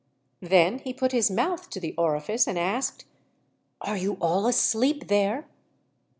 Then he put his mouth to the orifice and asked: "Are you all asleep there?"